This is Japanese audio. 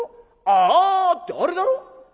『ああ』ってあれだろ？」。